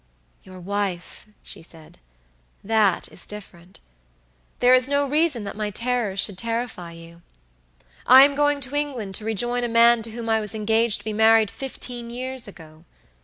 "Your wife," she said; "that is different. There is no reason that my terrors should terrify you. I am going to England to rejoin a man to whom I was engaged to be married fifteen years ago.